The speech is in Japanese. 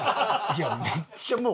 いやめっちゃもう。